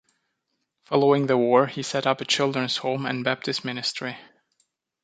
Following the war he set up a children's home and Baptist ministry.